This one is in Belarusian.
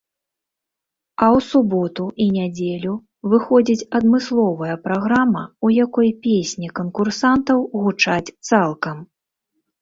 А ў суботу і нядзелю выходзіць адмысловая праграма, у якой песні канкурсантаў гучаць цалкам.